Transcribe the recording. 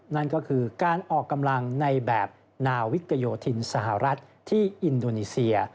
นั่นก็คือการออกกำลังในแบบนาวิกยโยธินสหรัฐที่อินโดนีเซีย